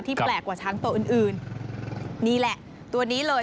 แปลกกว่าช้างตัวอื่นอื่นนี่แหละตัวนี้เลย